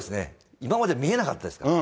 今まで見えなかったですから。